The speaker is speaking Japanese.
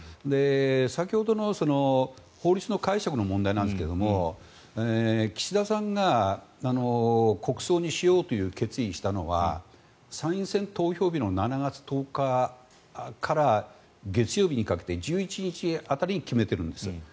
先ほどの法律の解釈の問題なんですが岸田さんが国葬にしようと決意したのは参院選投票日の７月１０日から月曜日にかけて１１日辺りに決めているんです。